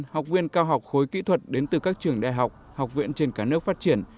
học viên cao học khối kỹ thuật đến từ các trường đại học học viện trên cả nước phát triển